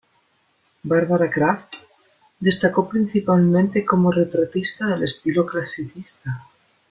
Barbara Krafft destacó principalmente como retratista de estilo clasicista.